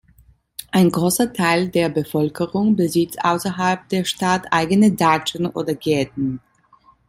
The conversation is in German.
Ein großer Teil der Bevölkerung besitzt außerhalb der Stadt eigene Datschen oder Gärten.